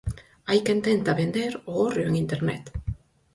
Hai quen tenta vender o hórreo en Internet.